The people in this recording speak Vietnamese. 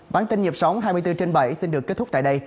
bản tin nhập sống hai mươi bốn h bảy xin được kết thúc tại đây